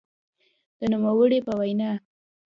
د نوموړي په وینا؛